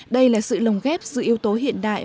đây là sự lồng ghép giữa yếu tố hiện đại